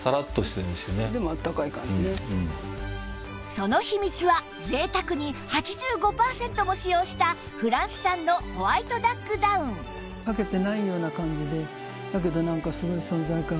その秘密は贅沢に８５パーセントも使用したフランス産のホワイトダックダウンだけど。